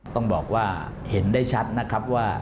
ต้องบอกว่าเห็นได้ชัดนะครับว่า